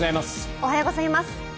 おはようございます。